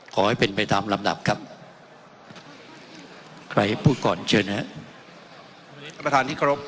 ขอให้เป็นไปตามลำดับครับใครพูดก่อนเชิญนะฮะท่านประธานที่เคารพ